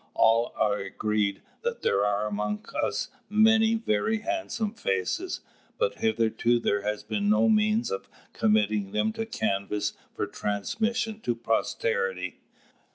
All are agreed that there are among us many very handsome faces, but hitherto there has been no means of committing them to canvas for transmission to posterity.